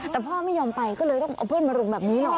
แต่พ่อไม่ยอมไปก็เลยต้องเอาเพื่อนมารุมแบบนี้หรอก